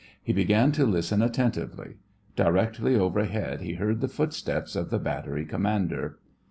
He began to listen attentively ; directly 'overhead, he heard the footsteps of the battery commander.